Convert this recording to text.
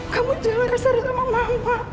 kamu jangan kasarin sama mama